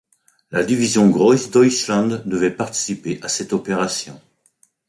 La division Grossdeutschland devait participer à cette opération.